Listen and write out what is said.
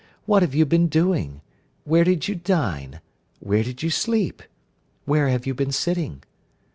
What have you been doing? Where did you dine? Where did you sleep? Where have you been sitting?"